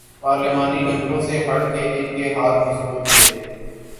پارلیمانی نمبروں سے ہٹ کے ان کے ہاتھ مضبوط تھے۔